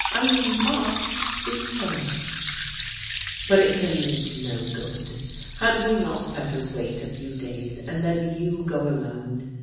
I mtist see her !"" But it can lead to no good. Had we not better wait a few days and then you go, alone?